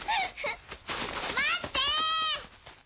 待って。